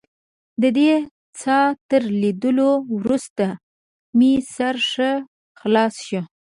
ددې څاه تر لیدلو وروسته مې سر ښه خلاص شو.